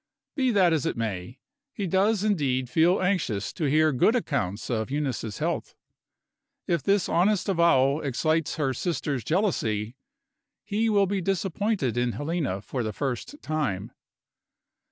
Be that as it may, he does indeed feel anxious to hear good accounts of Eunice's health. If this honest avowal excites her sister's jealousy, he will be disappointed in Helena for the first time.